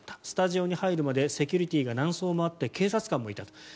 スタジオに入るまでセキュリティーが何層もあって警察官もいたと。